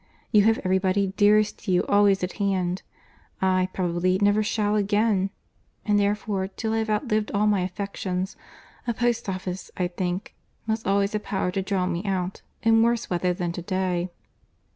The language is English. You have every body dearest to you always at hand, I, probably, never shall again; and therefore till I have outlived all my affections, a post office, I think, must always have power to draw me out, in worse weather than to day."